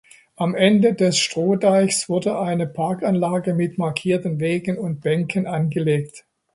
Am Ende des Strohdeichs wurde eine Parkanlage mit markierten Wegen und Bänken angelegt.